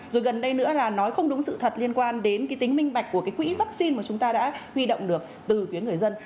rồi gần đây nữa là nói không đúng sự thật liên quan đến cái tính minh bạch của cái quỹ vaccine mà chúng ta đã huy động được từ phía người dân